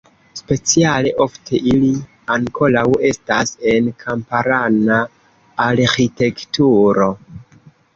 Speciale ofte ili ankoraŭ estas en kamparana arĥitekturo.